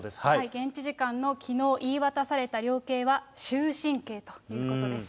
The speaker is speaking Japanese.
現地時間のきのう言い渡された量刑は終身刑ということです。